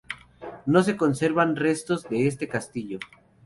No se conservan restos de este castillo.